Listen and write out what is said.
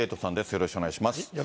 よろしくお願いします。